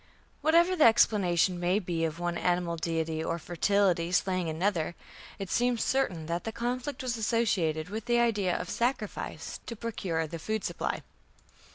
Whatever the explanation may be of one animal deity of fertility slaying another, it seems certain that the conflict was associated with the idea of sacrifice to procure the food supply.